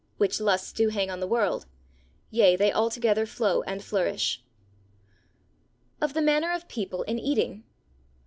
which lusts do hang on the world; yea, they altogether flow and flourish. Of the Manner of People in Eating.